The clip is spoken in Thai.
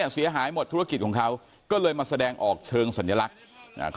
เสียหายหมดธุรกิจของเขาก็เลยมาแสดงออกเชิงสัญลักษณ์